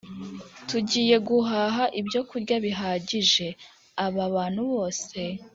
Tugiye guhaha ibyokurya bihagije aba bantu bose